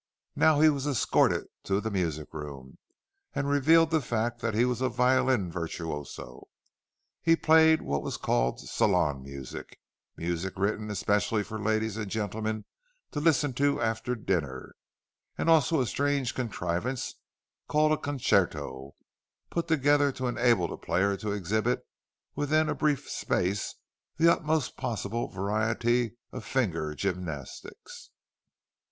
Now he was escorted to the music room, and revealed the fact that he was a violin virtuoso. He played what was called "salon music"—music written especially for ladies and gentlemen to listen to after dinner; and also a strange contrivance called a concerto, put together to enable the player to exhibit within a brief space the utmost possible variety of finger gymnastics.